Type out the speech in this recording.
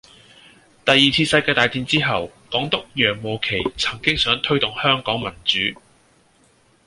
第二次世界大戰之後，港督楊慕琦曾經想推動香港民主